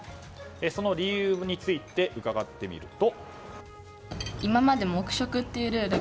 その理由について伺ってみると。